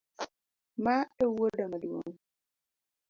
Ma ewuoda maduong’?